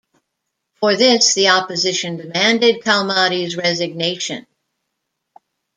For this, the opposition demanded Kalmadi's resignation.